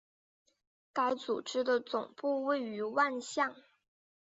该组织的总部位于万象。